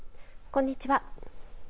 こんにちは。